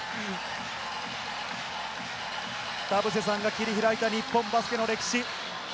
田臥さんが切り開いた日本バスケの歴史。